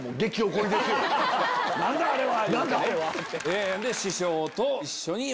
「何だ⁉あれは」。